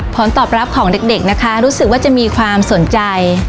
ผลตอบรับของเด็กนะคะรู้สึกว่าจะมีความสนใจ